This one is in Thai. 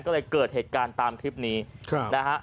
ก็เลยเกิดเหตุการณ์ตามคลิปนี้นะฮะ